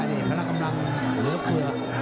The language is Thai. นี่พละกำลังเหลือเฝือก